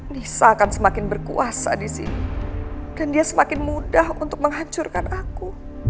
nisa akan semakin berkuasa di sini dan dia semakin mudah untuk menghancurkan aku